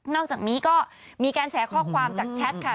อกจากนี้ก็มีการแชร์ข้อความจากแชทค่ะ